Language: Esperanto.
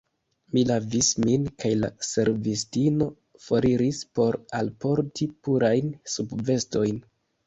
Mi lavis min kaj la servistino foriris por alporti purajn subvestojn.